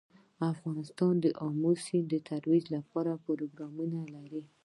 افغانستان د آمو سیند د ترویج لپاره پروګرامونه لري.